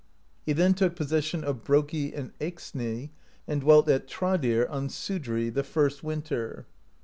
He then took possession of Brokey and Eyxney, and dwelt at Tradir on Sudrey, the first winter (18).